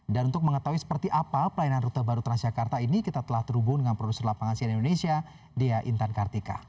dan untuk mengetahui seperti apa pelayanan rute baru transjakarta ini kita telah terhubung dengan produser lapangan siaran indonesia dea intan kartika